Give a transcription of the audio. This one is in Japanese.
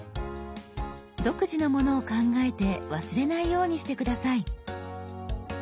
独自のものを考えて忘れないようにして下さい。